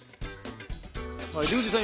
リュウジさん